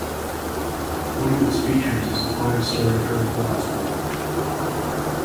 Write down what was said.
One of its features is the five-story curved glass wall.